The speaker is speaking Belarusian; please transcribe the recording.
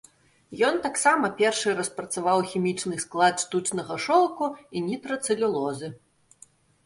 Ён таксама першы распрацаваў хімічны склад штучнага шоўку і нітрацэлюлозы.